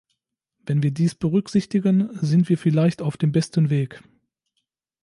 Wenn wir dies berücksichtigen, sind wir vielleicht auf dem besten Weg.